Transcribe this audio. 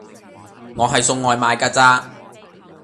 我係送外賣㗎咋